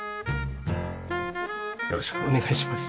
よろしくお願いします。